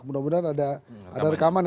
mudah mudahan ada rekaman